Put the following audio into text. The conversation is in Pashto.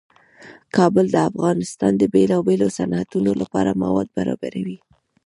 کابل د افغانستان د بیلابیلو صنعتونو لپاره مواد برابروي.